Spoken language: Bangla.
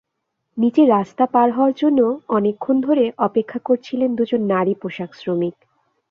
নিচে রাস্তা পার হওয়ার জন্য অনেকক্ষণ ধরে অপেক্ষা করছিলেন দুজন নারী পোশাকশ্রমিক।